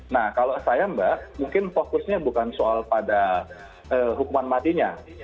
nah kalau saya mbak mungkin fokusnya bukan soal pada hukuman matinya